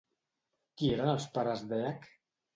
Qui eren els pares d'Èac?